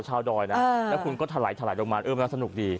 แล้วคุณก็ถลายลงมามันก็สนุกดี